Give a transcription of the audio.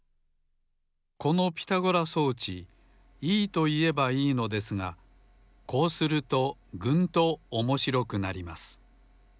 このピタゴラ装置いいといえばいいのですがこうするとぐんと面白くなります